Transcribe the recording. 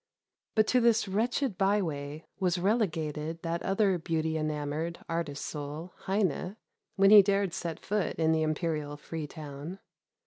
But to this wretched by way was relegated that other beauty enamored, artist soul, Heine, when he dared set foot in the imperial Free Town.